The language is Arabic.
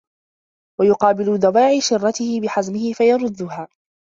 وَيُقَابِلَ دَوَاعِيَ شِرَّتِهِ بِحَزْمِهِ فَيَرُدُّهَا